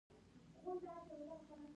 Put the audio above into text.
ما ځان ډېر یوازي احساساوه، بې کسه وم.